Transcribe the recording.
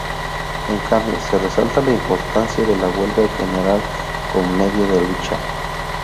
En cambio, se resalta la importancia de la huelga general como medio de lucha.